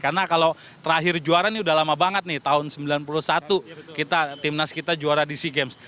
karena kalau terakhir juara nih udah lama banget nih tahun sembilan puluh satu timnas kita juara di sea games